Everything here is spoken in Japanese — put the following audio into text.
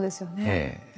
ええ。